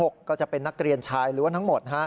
ก็จะเป็นนักเรียนชายล้วนทั้งหมด